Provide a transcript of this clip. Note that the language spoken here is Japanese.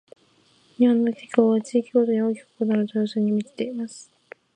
日本の気候は、地域ごとに大きく異なる多様性に満ちています。